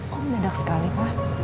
kok menadak sekali pak